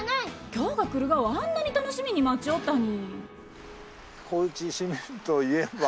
今日が来るがをあんなに楽しみに待ちよったに。